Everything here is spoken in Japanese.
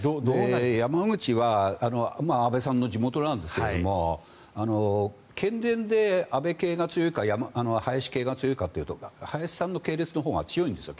山口は安倍さんの地元なんですが県連で安倍系が強いか林系が強いかというと林さんの系列のほうが強いんですよ